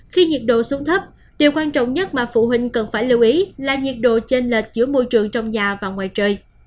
khi nhiệt độ xuống thấp điều quan trọng nhất mà phụ huynh cần phải lưu ý là nhiệt độ chênh lệch giữa môi trường trong nhà và ngoài trời